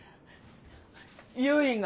ゆいが。